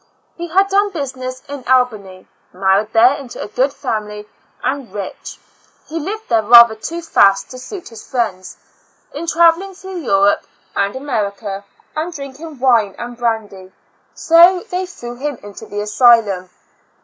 He had done business in Albany;' married there into a good family and rich. He lived rather too fast to suit his friends, in traveling through Europe and America, and drinking wine and brandy, so they threw him into the asylum.